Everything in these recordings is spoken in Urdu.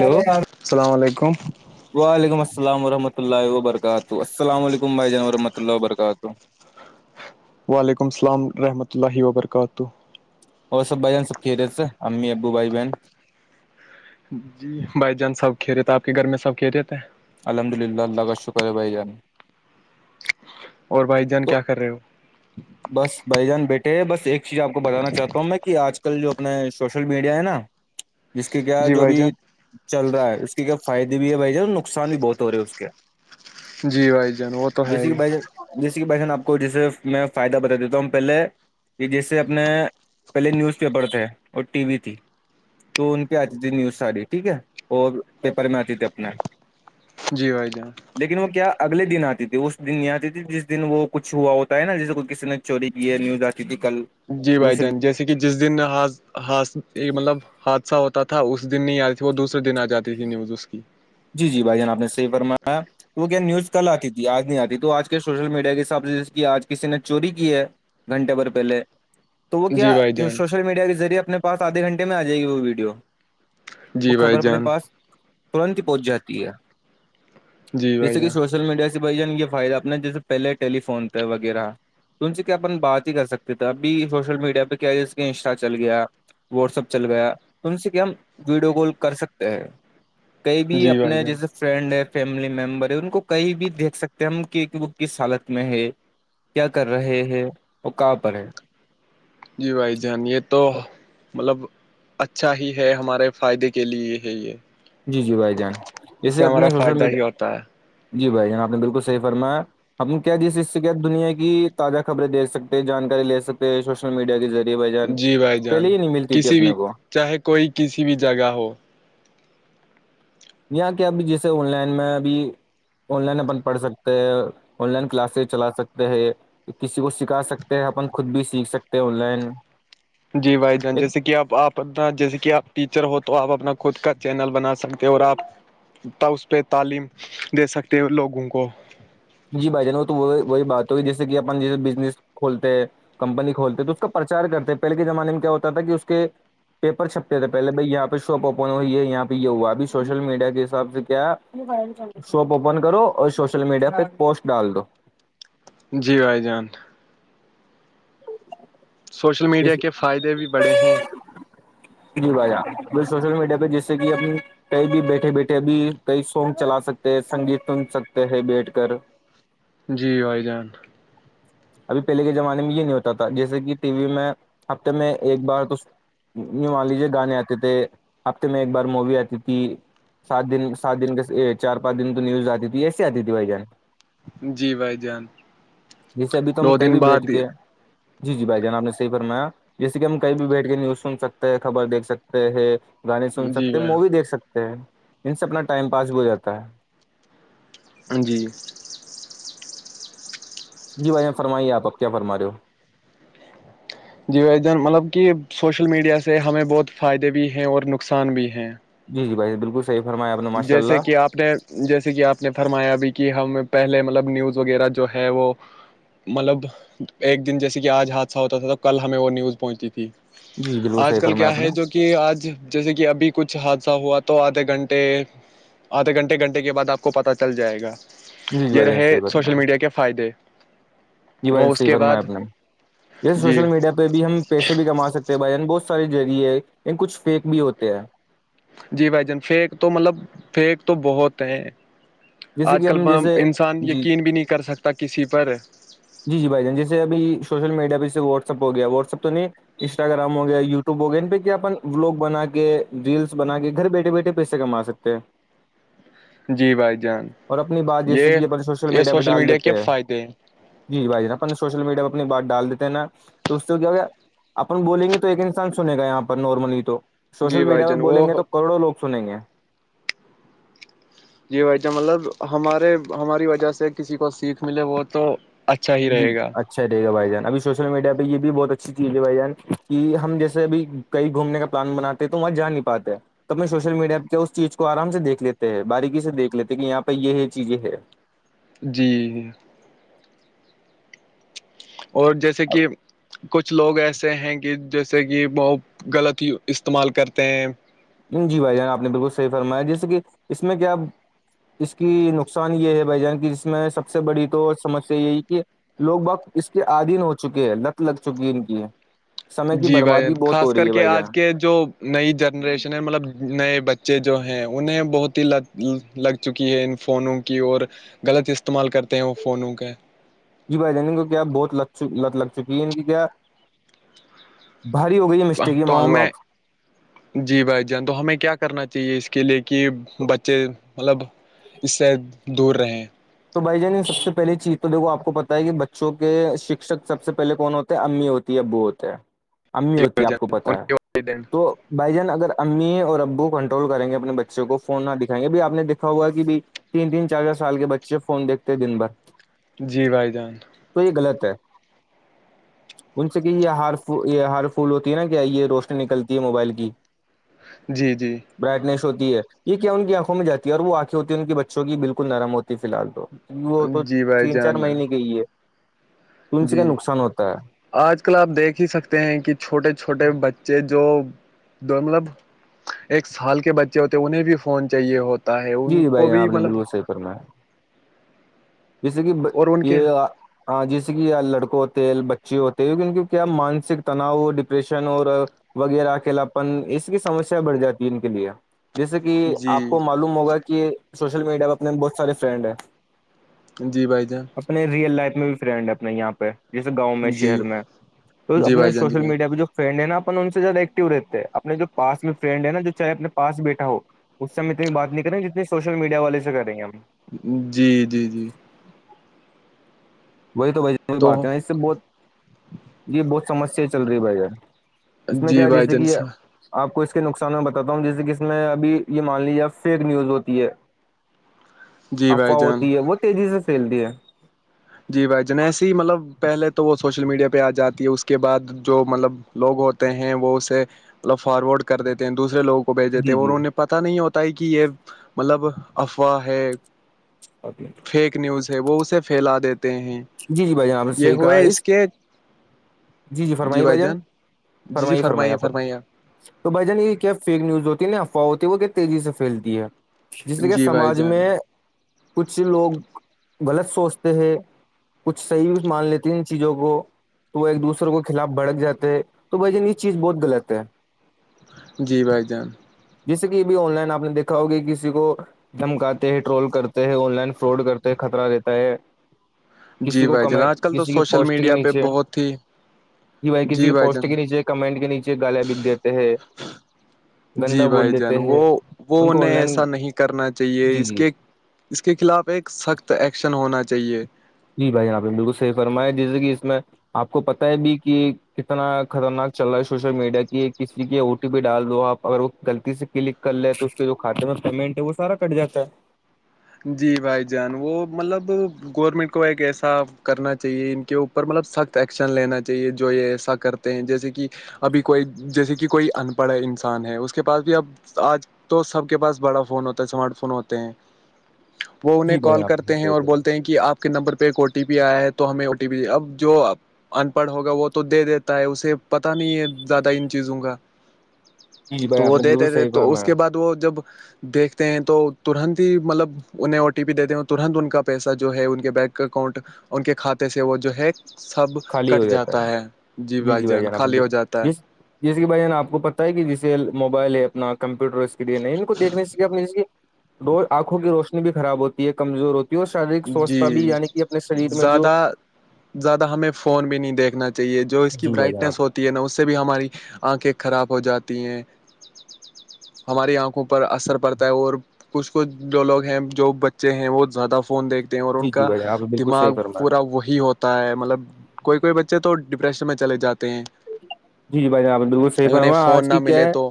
ہیلو السلام علیکم وعلیکم السلام ورحمۃ اللہ وبرکاتہ السلام علیکم بھائی جان وورحمۃ اللہ و برکاتہ وعلیکم السلام ورحمۃ اللہ وبرکاتہ اور سب بائی س کھی رہے تھ امی ابو بھائی بہن جی بھائی جان سب کہ رہے تھ آپ کے گھر میں سب کہ رہے تھ ہیں الحمد للہ اللہ کا شکر ہے بائی جان اور بھائی جان تو کیا کر رہے ہو بس بھائی جان بیٹھے ہیں بس ایک چیز آپ کو بتانا چاہتا تو کہ آج کل جو اپنے سوشل میڈیا ہے نا جس کے کیا جی جو بھائی ابھی جان چل رہا ہے اس کے کیا فائدے بھی ہے بھائی جان نقصان بھی بہت ہو رہے ہے اس کے جی بھائی جان وہ تو ہے ہی جس کی پہچان آپ کو جیسے میں فائدہ بتا دیتا ہوں پہلے کہ جیسے اپنے پہلے نیوز پیپر تھے اور ٹی وی تھی تو ان کی آتی تھی نیوز سااریی ٹھیک ہے اور پیپر میں آتی تھی اپنے جی بھائی جان لیکن وہ کیا اگلے دن آتی تھی اس دن نہیں آتی تھی جس دن وہ کچھ ہوا ہوتا ہے نا جسے کچھ کس نے چوری کی ہے نیوز آتی تھی کل جی بھائی دوسرے جان جیسے کہ جس دنث مطلب حادثہ ہوتا تھا اس دن نہیں آی تھی وہ دوسرے دن آ جاتے ی نیوزز کی جی جی بھائی جان آپ نے صحیح فرمایا تو وہ کیا نیوز کل آتی تھی آج نہیں آتی تو آج کے سوشل میڈیا کے حساب سے ج کی آج کسی نے چوری کی ہے گھنٹے بر پہلے تو وہ کیا جی بھائی جان سوشل میڈیا کے ذریعے اپنے پاس آدے گھنٹے میں آ جائے گی وہ ویڈیو جی وہ بھائی خبر اپنے جان پاس ترنت ہی پہنچ جاتی ہے جی بھائی جیسے کہ جان سور سوشل میڈیا سے بھائی جان یہ فائدہ اپنا جیسے پہلے ٹیلیفون پہ وغیرہ ت سے کیا اپن بات ہی کر سکتے تھے ابھی سوشل میڈیا پہ کیا ہے اس کے انسٹا چل گیا واٹسپ چل گیا تو ان سے کیا ہم ویڈیو کال کر سکتے ہیں کئی بھی جی بھائی اپنے جان جیسے فرینڈ ہے فیملی ممبر ہے ان کو کہیں بھی دیکھ سکتے ہیں ہم کہ وہ کس حالت میں ہے کیا کر رہے ہیں اور کہاں پر ہیں جی بھائی جان یہ تو مطلب اچھا ہی ہے ہمارے فائدے کے لیے ہے یہ جی جی بھائی جان اس جے سے ہمارا اپنے سوشل فائدہ میڈیا ہی ہوتا ہے جی بھائی جان آپ نے بالکل صحیح فرمایا ہم کیا جس حص سے کیا دنیا کی تازہ خبر دیکھ سکتے ہیں جانکاری لے سکتے ہیں سوشل میڈیا کے ذریعے بھجن جی بھائی پہلے جان ہی نہیں ملتی تھی کسی بھی اپنے کو چاہے کوئی کسی بھی جگہ ہو یہاں کے ابھی جیسے آن لائن میں ابھی آن لائن اپن پڑھ سکتے ہیں آن لائن کلاسز چلا سکتے ہے کسی کو سکھا سکتے ہیں اپن خود بھی سیکھ سکتے ہیں آن لائن جی بھائی جان ایک جیسے کہ آپ آپ پ جیسے کہ آپ ٹیچر ہو تو آپ اپنا خود کا چینل بنا سکتے ہو اور آپ ت اس پہ تعلیم دے سکتے ہو لوگوں کو جی بھائی جان وہ تو وہی بات ہو جیسے کہ اپن جیس بزنس کھولتے ہیں کمپنی کھولتے تو اس کا پرچار کرتے ہیں پہلے کے زمانے میں کیا ہوتا تھا کہ اس کے پیپر چھپتے تھے پہلے بھائی یہاں پہ شاپ اوپن ہوئی ہے یہاں پہ یہ ہوا اب سوشل میڈیا کے حساب سے کیا شاپ اوپن کرو اور سوشل میڈیا پہ ایک پوسٹ ڈال دو جی بھائی جان سوشل اس میڈیا کے فائدے بھی بڑے ہیں جی بجہ ب سوشل میڈیا پہ جس سے کہ اپنی کئی بھی بیٹھے بیٹھے اب کئی سونگ چلا سکتے ہیں سنگیت سن سکتے ہیں بیٹھ کر جی بھائی جان ابھی پہلے کے زمانے میں یہ نہیں ہوتا تھا جیسے کہ ٹی وی میں ہفتے میں ایک بار تو نیو مان لیجیے گانے آتے تھے ہفتے میں ایک بار مووی آتی تھی سات دن سات دن چار پانچ دن تو نیوز آتی تھی ایسیے آتی تھی بھائی جان جی بھائی جان جیسے ابھی تو ہم دو کہیں دن بھی بیٹھ بعد کے جی جی بھائی جان آپ نے صحی فرمایا جیسے کہ ہم کہیں بھی بیٹھ کے نیوز سن سکتے ہیں خبر دیکھ سکتے ہیں گانے سن جی سکتے ہیں مووی بھائی دیکھ سکتے ہیں ان سے اپنا ٹائم پاس بھی ہو جاتا ہے جی جی بھائیان فرمائیے آپ آپ کیا فرما رہے ہو جی مطلب کہ سوشل میڈیا سے ہمیں بہت فائدے بھی ہیں اور نقصان بھی ہیں جی جی بائی بالکل سی فرمیاپ نے ماشاء جیسے اللہ کہ آپ اپنے جیسے کہ آپ نے فرمایا بھی کہ ہم پہلے مطلب نیوز وغیرہ جو ہے وہ مطلب ایک دن جیسے کہ آج حادثہ ہوتا تھا تو کل ہمیں وہ نیوز پہنچتی تھی جی بالکل آج صحیح کل فرمایا کیا آپ ہے نے جو کہ آج جیسے کہ ابھی کچھ حادثہ ہوا تو آدھے گھنٹے آدھے گھنٹے گھنٹے کے بعد آپ کو پتا چل جائے گا جی جی یہ بھائی جان رہے صحیح فرمایا سوشل میڈیا کے فائدے جی بھائی وہ اس صحیح کے بعد جی توبھی ہم پیسے بھی کما سکتے ہیں بھائیان بہت سارے ذریعےن کچھ فیک بھی ہوتے ہیں جی بھائی جان فیک تو مطلب فیک تو بہت ہیں جیسے آج کہ کل ہم جیسے انسان جی یقین بھی نہیں کر سکتا کسی پر جی جی بھائی جان جیے ابھیوشل میڈیا بھی ج سے واٹسپ گیا واٹس ایپ تو نہیں انسٹاگرام ہو گیا یوٹیوب ہو گیا ان پہ کیا اپن ولاگ بنا کے ریلس بنا کے گھر بیٹھے بیٹھے پی سےے کم آ سکتے ہے جی بھائی جان اور اپنی بات جیسے یہ کہن سوشل میڈیا پہ ڈال دیتے ہیں جی بھائی جا اپ سوشل میڈیا پہ اپنی بات ڈال دیتے نا تو اس کو کیا ہو گیا اپن بولیں گے تو ایک انسان سنے گا یہاں پر نارملی تو سوشل جی بھائی میڈیا پہ جان بولیں گے وہ تو کروڑوں لوگ سنیں گے جی بھائی جان مطلب ہمارے ہماری وجہ سے کسی کو سیکھ ملے وہ تو اچھا ہی جی رہے گا اچھا [unintelligible] اچھا رہے گا بھائی جان ابھی سوشل میڈیا پہ یہ بھی بہت اچھی چیز ہے بھائی جان کہ ہم جیسے اھی کہئی گھومنے کا پلان بنے ہیں تو وہاں جا نہیں پاتے تو اپنے سوشل میڈیا پہ کیا اس چیز کو آرام سے دیکھ لیتے ہیں باریکی سے دیکھ لیتے کہ یہاں پہ یہ چیز یہ ہے جی جی اور جیسے کہ کچھ لوگ ایسے ہیں کہ جیسے کہ وہ غلط ہی استعمال کرتے ہیں جی بھائی جان آپ نے بالکل صحیح فرمایا جیسے کہ اس میں کیا اس کی نقصان یہ ہے بھائی جان کی جس میں سب سے بڑی تو سمسیا یہی کہ لوگ بہت اس کے آدھیین ہو چکے ہیں لت لگ چکی ہے ان کی سمے کی جی بھائی ج بربادی بہت خاص ہو رہی کر ہے کے بھائی آج جان کے جو نئی جنریشن ہے مطلب نئے بچے بچے جو ہیں انہیں بہت ہی لت لگ چکی ہے ان فونوں کی اور غلط استعمال کرتے ہیں وہ فونوں کے جی بھائی جان کو کیا بہت لت لت لگ چکی ہے ان کی کیا بھاری ہو گئی مسٹیک یہ تو مان لو ہمیں آپ جی بھائی جان تو ہمیں کیا کرنا چاہیے اس کے لیے کہ بچے مطلب اس سے دور رہیں تو بھائی جان سب سے پہلی چیز تو دیکو آپ کو پت ہے کہ بچوں کے شکشک سب سے پہلے کون ہوتے ہیں امی ہوتے ابو ہوتے ہیں امی جی ہوتی ہے بھائی آپ کو جان پتا ان ہے کے والدین تو بھائی جان اگر امی اور ابو کنٹرول کریں گے اپنے بچوں کو فون نہ دکھائیں گے بھی آ نے دیککھا ہوا کہ بھی تین تین چار چار سال کے بچے فون دیکھتے دن بھر جی بھائی جان تو یہ غلط ہے ان سے کہ یہ ہار یہ ہار پھول ہوتی ہے نا کیا یہ روشنی نکلتی ہے موبائل کی جی جی برائٹنیس ہوتی ہے یہ کیا ان کی آنکھوں میں جاتی ہے اور وہ آنکھیں ہوتی ہیں ان کے بچوں کی بالکل نرم ہوتی ہے فی الال تو وہ تو جی بھائی تین چار جان مہینے کے ہی ہے ت سے جی کیا نقصان ہوتا ہے آج کل آپ دیکھ ہی سکتے ہیں کہ چھوٹے چھوٹے بچے جو دو مطلب ایک سال کے بچے ہوتے انہیں بھی فون چاہیے ہوتا ہو ہے ان کو بھی مطلب کر میں ہے جیسے کہ اور ان کے یہ ہاں جیسے کہ لڑکوں ہوتے ہیں بچے ہوتے کیونک کیا مانسک تناؤ ڈپریشن اور وغیرہ اکیلاپن اس کی سمسیا بڑھ جاتی ہے ان کے لیے جیسے کہ جی آپ کو معلوم ہوگا کہ سوشل میڈیا پہ اپنے بہت سارے فرینڈ ہیں جی بھائی جان اپنے ریئل لائف میں بھی فرینڈ ہے اپنے یہاں پہ جیسے گاؤں میں جی شہر میں تو جی اپنے بھائی جان جی سوشل بھائی میڈیا پہ جو فرینڈ ہے نا اپن ان سے زیادہ ایکٹو رہتے ہیں اپنے جو پاس میں فرینڈ ہے نا جو چاہے اپنے پس بیٹا ہو اس سے ہم اتنی بات نہیں کریں گے جتنی سوشل میڈیا والے سے کر رہیں ہیں ہم جی جی جی وہی تو بھ بھی بات ہے ن اس سے بہت یہ بہت سمسیا چل رہی ہے بھائی اس میں جی کیا بھائی جیسے کہ جان یہ آپ کو اس کے نقصان میں بتاتا ہوں جیسے کہ اس میں اب یہ مان لیجے فیک نیوز ہوتی ہے جی بھائی افواہ جان ہوتی ہے وہ تیزی سے پھیلتی ہے جی بھائی جنیسی ہی مطلب پہلے تو وہ سوشل میڈیا پہ آ جاتی ہے اس کے بعد جو مطلب لوگ ہوتے ہیں وہ اسے مطلب فارورڈ کر دیتے ہیں دوسرے لوگ کو بھیج دیتے جی اور جی انہیں پت نہیں ہوتا ہے کہ یہ مطلب افواہ ہے اپی پیک نیوز ہے وہ اسے پھیلا دیتے ہیں جی جی بھائی آاںپ نے یہ صحیح کہا ہوئے اس کے جی جی فرمائی بھائی بھجان جان جی جی فرمائی فرمائی آ فرمائیے پر فرمائیے آپ تو بھائی جان یہ کیا فیک نیوز ہوتی ہے نا افواہ ہوتی ہے وہ کیا تیزی سے پھیلتی ہے جیس سے کہ جی بھائی سماج جان میں کچھ لوگ غلط سوچتے ہیں کچھ صحیح مان لیتے ان چیزوں کو تو وہ ایک دوسرے کے خلاف بھڑک جاتے تو بھ جن یہ چیز بہت غلط ہے جی بھائی جان جس سے کہ بھی آن لائن آپ نے دیکا ہوگی کسی کو دھمکاتے ہیں ٹرول کرتے ہیں آن لائن فراڈ کرتے ہیں خطرہ دیتا ہے کسی جی کو بھائی کم جان آج کل تو کسی کے سوشل پوسٹ کے میڈیا پہ نیچے بہت ہی کی بھائی کسی جی کے پوسٹ جان کے نیچے کمنٹ کے نیچے گالیا بگ دیتے ہیں جی گندا بھائی بول جان دیتے وہ ہیں وہ ان کو انہیں آن لائن ایسا نہیں کرنا چاہیے جی اس جی کے اس کے خلاف ایک سخت ایکشن ہونا چاہیے جی بھائی یہپ نے بالکل صحی فرمایا جیسے کہ اس میں آپ کو پت ہے بھی کہ کتنا خطرناک چل رہا ہے سوشل میڈیا کی کسی کی او ٹی پی ڈال دو آپ اگر وہ غلطی سے کلک کر لے تو اس کے جو کاتے میں پیمنٹ ہے وہ سارا کٹ جاتا ہے جی بھائی جان وہ مطلب گورنمنٹ کو ایک ایسا کرنا چاہیے ان کے اوپر مطلب سخت ایکشن لینا چاہیے جو یہ ایسا کر ہیں جیسے کہ ابھی کوئی جیسے کہ کوئی ان پڑھ انسان ہے اس کے پاس بھی اب آج تو سب کے پاس بڑا فون ہوتا ہے اسمارٹ فون ہوتے ہیں وہ انہیں جی بھائی کال آپ نے کرتے ہیں صحیح اور فرمایا۔ بولتے ہیں کہ آپ کے نمبر پہ ایک او ٹی پی آیا ہے تو ہمیں او ٹی پی اب جو ان پڑھ ہوگا وہ تو دے دیتا ہے اسے پتا نہیں ہے زیادہ ان چیزوں کا جی تو بھائی آپ وہ نے دی بالکل دی تھے صحیح تو اس فرمایا کے بعد وہ جب دیکھتے ہیں تو ترنت ہی مطلب انہیں او ٹی پی دیتے ہ ترنت ان کا پیسہ جو ہے ان کے بینک اکاؤنٹ ان کے کھاتے سے وہ جو ہے سب کٹ جاتا ہے جی بھائی جان خالی ہو جاتا ہے جیسے کہ بھائی ن آپ کو پتا ہے کہ جسے موبائل ہے اپنا کمپیوٹر اسکرین ہے ان کو دیکھنے سے اپ ر آنکھوں کی روشنی بھی خراب ہوتی ہے کمزور ہوتی ہے اور شارییرک سوستھتا بھی یعنی کہ اپنے شریر میں جو زیادہ زیادہ ہمیں فون بھی نہیں دیکھنا چاہیے جو اس کی جی بھائی جناب برائٹنیس ہوتی نا اس سے بھی ہماری آنکھیں خراب ہو جاتی ہیں ہماری آنکھوں پر اثر پڑتا ہے اور کچھ کچھ جو لوگ ہیں جو بچے ہیں وہ زیادہ فون دیکھتے ہیں اور ان جی جی کا بھائی جان آپ نے بالکل صحیح دماغ فرمایا پورا وہی ہوتا ہوتا ہے مطلب کوئی کوئی بچے تو ڈپریشن میں چلے جاتے ہیں جی جی بھائی جنابپ بالکل صحیح انہیں فرما آج فون نہ کی کیا ملے ہے تو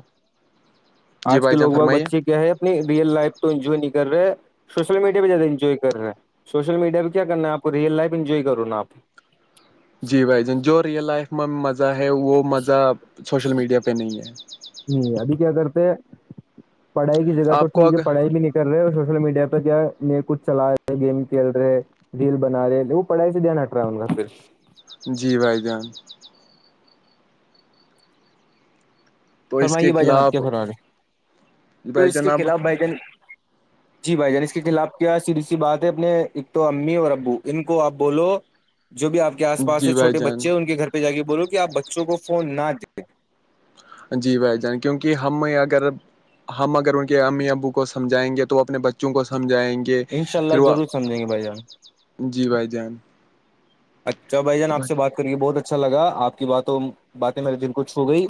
جی آج کے بھائی جان لوگ بگ فرمائیے بچے کیا ہے اپنی ریئل لائف تو انجوائے نہیں کر رہے ہے سوشل میڈیا پہ زیادہ انجوائے کر رہے ہیں سوشل میڈیا پہ کیا کرنا ہےپ کو ریل لائف انجوائے کرو نا آپ جی بھائی جان جو ریئل لائف میں مزہ ہے وہ مزہ سوشل میڈیا پہ نہیں ہے ابھی کیا کرتے ہیں پڑھائی کی جگہ تو آپ کو ٹھیک ہے اگر پڑھائی بھی نہیں کر رہے اور سوشل میڈیا پہ کیا ن کچھ چلا رہے گیم کھیل رہے ریل بنا رہے ا وہ پڑاائ سے دیا ن اٹراون کاا پھر جی بھائی جان تو اس فرمائیے کے بھائی جان آپ خلاف کے فرار ہے تو بھائی اس کے جان اب خلاف بھائی جان جی بھائی جان اس کے خلاف کیا سیدھی سی بات ہے اپنے ایک تو امی اور ابو ان کو آپ بولو جو بھی آپ کے آس پاس سے جی بھائی چھوٹے جان بچے ہیں ان کے گھر پہ جا کے بولو کہ آپ بچوں کو فون نہ دیں جی بھائی جان کیونکہ ہم اگر ہم اگر ان کے امی ابو کو سمجھائیں گے تو وہ اپنے بچوں کو سمجھائیں گے دیں ان شاء کہ پھر اللہ وہ ضرور سمجھیں گے بھائی جان جی بھائی جان اچھا بائی جان تو آ سے بات یہ بہت اچھا لگا آپ کی باتوں باتیں میرے دن کو چھو گئی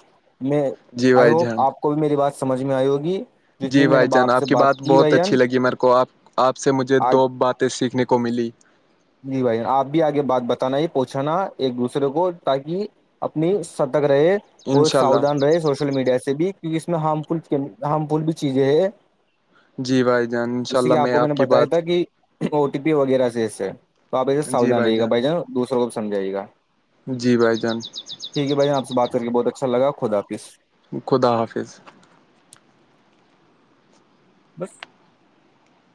میں جی آئی بھائی ہوپ جان آپ کو کو بھی میری بات سمجھ میں آئی ہوگی جتنی جی میں نے بھائی جان سے آپ کی بات بہت بھائی جان اچھی لگی میرے کو آپ آپ سے مجھے آج دو بات تو سیکھنے کو ملی جی بھائی آپ بھی آگے بات بتانا یہ پوچھانا ایک دوسرے کو تاکہ اپنی ستک رہے وہ انشاء اللہ ساوودھان رہے سوش سوشل میڈیا سے بھی کیوںکہ اس میں بھی ہارم فل ہارم فل بھی چیزیں ہے جی بھائی جان انشاء جیسے کہ اللہ آپ کو میں نے کی بتایا بات تھا کہ او ٹی پی وغیرہ سے اس سے تو آپ ای ساوودھان رہیے گا بھائی جان دوسروں کو بھی سمجھائیے گا جی بھائی جان ٹھیک ہے بھائی آپ بات کر کے بہت اچھا لگا خدا حافظ خدا حافظ بس